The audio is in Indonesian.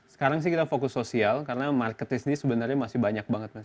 sekarang sih kita fokus sosial karena market ini sebenarnya masih banyak banget mas